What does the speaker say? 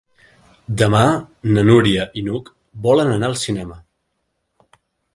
Demà na Núria i n'Hug volen anar al cinema.